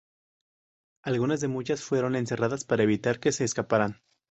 Algunas de las muchachas fueron encerradas para evitar que se escaparan.